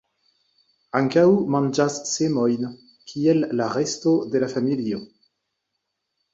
Ankaŭ manĝas semojn, kiel la resto de la familio.